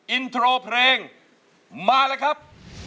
อินโทรเพลงมาเลยครับ